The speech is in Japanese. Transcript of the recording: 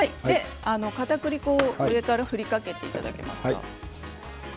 かたくり粉を上から振りかけていただけますか。